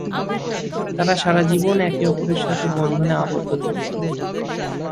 তারা সারা জীবন একে অপরের সাথে বন্ধনে আবদ্ধ থাকেন।